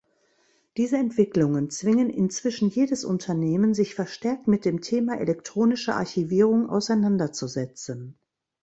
Diese Entwicklungen zwingen inzwischen jedes Unternehmen, sich verstärkt mit dem Thema elektronische Archivierung auseinanderzusetzen.